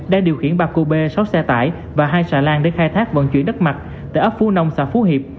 đang điều khiển ba kobe sáu xe tải và hai xà lan để khai thác vận chuyển đất mặt tại ấp phú nông xã phú hiệp